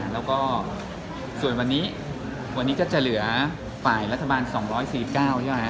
แล้วก็ส่วนวันนี้วันนี้ก็จะเหลือฝ่ายรัฐบาล๒๔๙ใช่ไหม